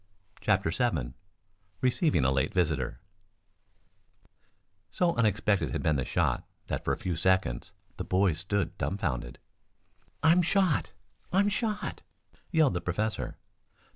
CHAPTER VII RECEIVING A LATE VISITOR So unexpected had been the shot that, for a few seconds, the boys stood dumbfounded. "I'm shot! I'm shot!" yelled the professor.